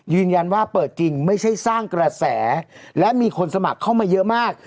ว่าเปิดจริงไม่ใช่สร้างกระแสและมีคนสมัครเข้ามาเยอะมาก